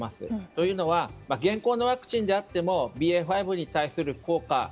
というのは現行のワクチンであってもＢＡ．５に対する効果